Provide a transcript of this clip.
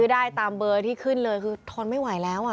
ได้ตามเบอร์ที่ขึ้นเลยคือทนไม่ไหวแล้ว